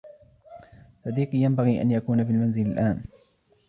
صديقي ينبغي أن يكون في المنزل الأن.